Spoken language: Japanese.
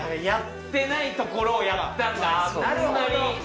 やってないところをやったんだ